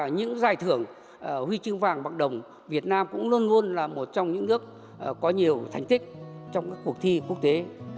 nhiệm ảnh việt nam cũng luôn luôn là một trong những nước có nhiều thành tích trong các cuộc thi quốc tế